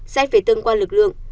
xét về tương quan lực lượng